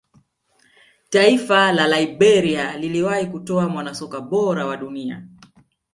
taifa la liberia liliwahi kutoa mwanasoka bora wa dunia